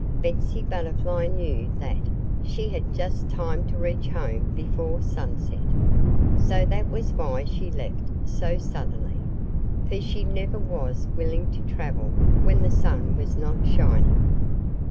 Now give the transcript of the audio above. Betsy Butterfly knew that she had just time to reach home before sunset. So that was why she left so suddenly. For she never was willing to travel when the sun was not shining.